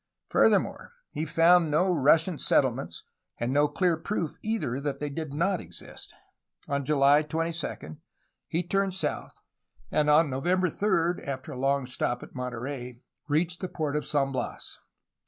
Furthermore, he found no Russian settlements and no clear proof, either, that they did not exist. On July 22 he turned south, and on November 3 (after a long stop at Monterey) reached the port of San Bias.